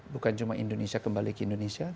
bukan cuma indonesia kembali ke indonesia